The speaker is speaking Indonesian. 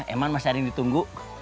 emang masih ada yang ditunggu